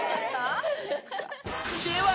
では